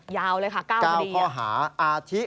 ยาวเลยค่ะ๙คดีอะอ่าที่๙ข้อหา